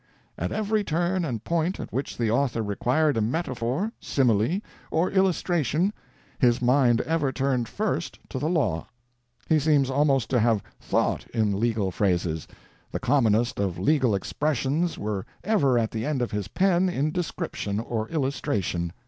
At every turn and point at which the author required a metaphor, simile, or illustration, his mind ever turned first to the law. He seems almost to have thought in legal phrases, the commonest of legal expressions were ever at the end of his pen in description or illustration.